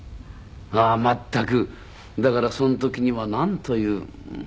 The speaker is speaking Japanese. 全くだからその時にはなんという。